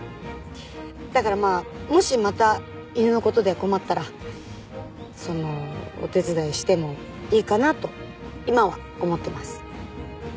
だからまあもしまた犬の事で困ったらそのお手伝いしてもいいかなと今は思ってます。